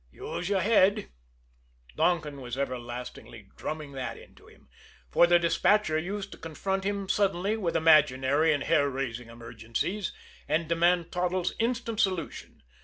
"Use your head" Donkin was everlastingly drumming that into him; for the despatcher used to confront him suddenly with imaginary and hair raising emergencies, and demand Toddles' instant solution.